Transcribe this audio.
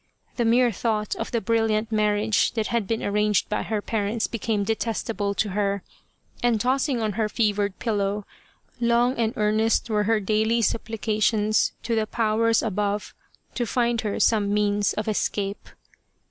The mere thought of the brilliant marriage that had been arranged by her parents became detestable to her, and tossing on her fevered pillow, long and earnest were he^ daily sup plications to the powers above to find her some means of escape.